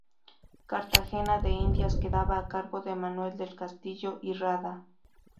Cartagena de Indias quedaba a cargo de Manuel del Castillo y Rada.